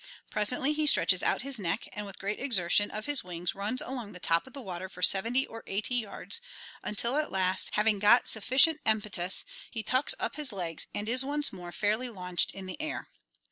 Presently he stretches out his neck, and with great exertion of his wings runs along the top of the water for seventy or eighty yards, until, at last, having got sufficient impetus, he tucks up his legs and is once more fairly launched in the air."